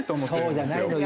そうじゃないのよ。